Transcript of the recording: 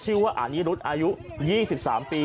ชื่อว่าอันนี้รุ่นอายุ๒๓ปี